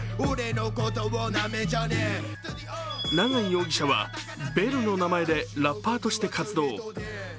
永井容疑者は「ベル」の名前でラッパーとして活動。